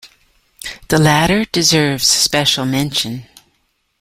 The latter deserves special mention.